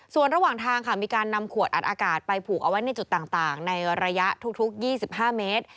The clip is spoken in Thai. ส่วนระหว่างทางค่ะมีการนำขวดอัดอากาศไปผูกเอาไว้ในจุดต่างในระยะทุก๒๕เมตร